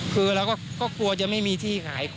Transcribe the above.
คือก็กลัวจะไม่มีที่ขายของ